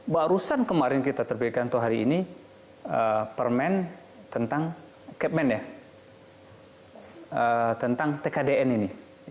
barusan kemarin kita terbikin atau hari ini permen tentang tkdm ini